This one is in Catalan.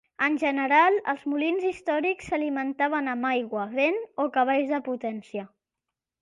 En general, els molins històrics s'alimentaven amb aigua, vent o cavalls de potència.